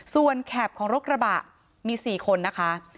ส่วนแคปของรถกระบะมี๔คนนะคะ